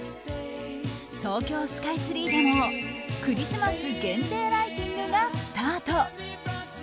東京スカイツリーでもクリスマス限定ライティングがスタート。